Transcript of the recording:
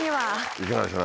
いかがでしたか？